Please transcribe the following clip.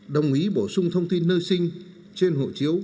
đồng ý bổ sung thông tin nơi sinh trên hộ chiếu